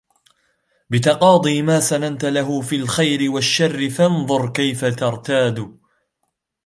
بِتَقَاضِي مَا سَنَنْتَ لَهُ فِي الْخَيْرِ وَالشَّرِّ فَانْظُرْ كَيْفَ تَرْتَادُ